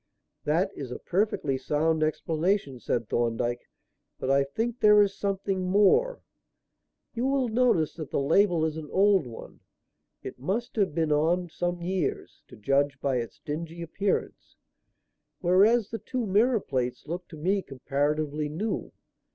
"That is a perfectly sound explanation," said Thorndyke. "But I think there is something more. You will notice that the label is an old one; it must have been on some years, to judge by its dingy appearance, whereas the two mirror plates look to me comparatively new.